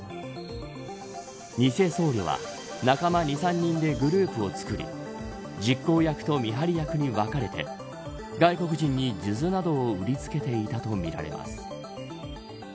偽僧侶は、仲間２、３人でグループを作り実行役と見張り役に分かれて外国人に数珠などを売りつけていたとみられます。